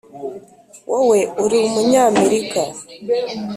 wowe uri umunyamerika?